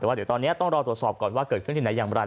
แต่ว่าเดี๋ยวตอนนี้ต้องรอตรวจสอบก่อนว่าเกิดขึ้นที่ไหนอย่างไร